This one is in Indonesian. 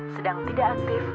sedang tidak aktif